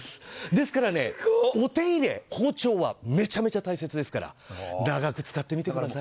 ですから、お手入れ包丁はめちゃめちゃ大切ですから長く使ってみてください。